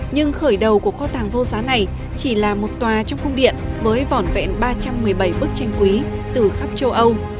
nhưng khởi đầu của kho tàng vô giá này chỉ là một tòa trong cung điện với vỏn vẹn ba trăm một mươi bảy bức tranh quý từ khắp châu âu